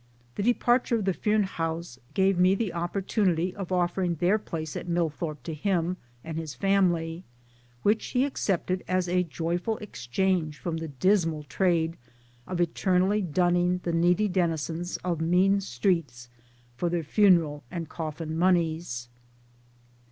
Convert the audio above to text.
The departure of the Fearnehoughs gave me the opportunity of offering their place at Millthorpe to him (and his family) which he accepted as a joyful exchange from the dismal trade of eternally dunning the needy denizens of mean streets for their funeral and coffin monies.